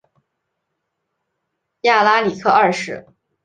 亚拉里克二世。